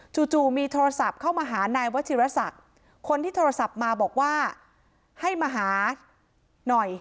จู่มีโทรศัพท์เข้ามาหานายวชิรศักดิ์คนที่โทรศัพท์มาบอกว่าให้มาหาหน่อย